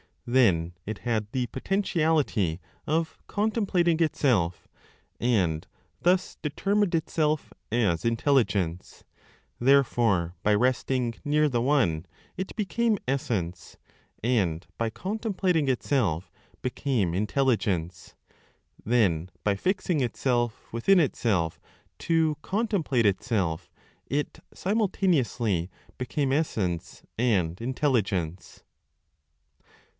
Then it had the potentiality of contemplating itself, and thus determined itself as Intelligence. Therefore, by resting near the One, it became Essence; and by contemplating itself, became Intelligence. Then by fixing itself within itself to contemplate itself, it simultaneously became Essence and Intelligence.